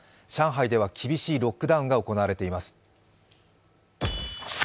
上海では厳しいロックダウンが行われています。